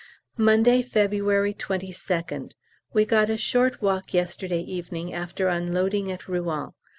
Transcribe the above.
Monday, February 22nd. We got a short walk yesterday evening after unloading at Rouen.